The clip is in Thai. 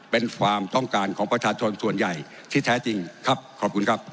เป็นความต้องการของประชาชนส่วนใหญ่ที่แท้จริงครับขอบคุณครับ